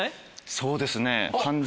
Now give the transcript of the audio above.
そうですね完全。